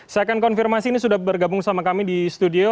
saya akan konfirmasi ini sudah bergabung sama kami di studio